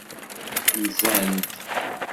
Nzant.